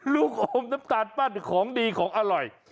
ลูกอมน้ำตาลปั้นของดีของอร่อย